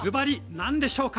何でしょうか？